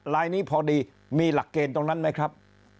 ลายนี้พอดีมีหลักเกณฑ์ตรงนั้นไหมครับ